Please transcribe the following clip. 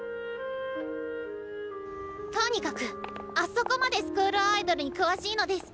とにかくあそこまでスクールアイドルに詳しいのデス！